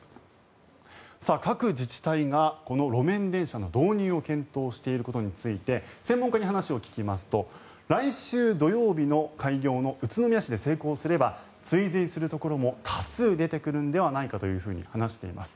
各自治体がこの路面電車の導入を検討していることについて専門家に話を聞きますと来週土曜日の開業の宇都宮市で成功すれば追随するところも多数出てくるのではないかと話しています。